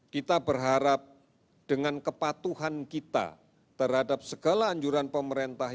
kita berharap dengan kepatuhan kita terhadap segala anjuran pemerintah